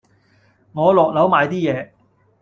我落樓買啲嘢